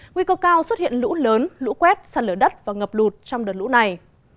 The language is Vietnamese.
nguy cơ cao xuất hiện lũ lớn lũ quét săn lửa đất và ngập lụt trong đợt lũ này